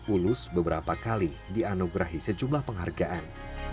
ulus beberapa kali dianugerahi sejumlah penghargaan